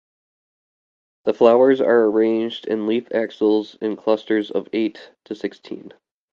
The flowers are arranged in leaf axils in clusters of eight to sixteen.